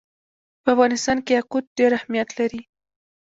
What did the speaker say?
په افغانستان کې یاقوت ډېر اهمیت لري.